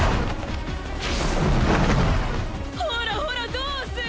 ほらほらどうする？